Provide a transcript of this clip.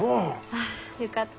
ああよかった。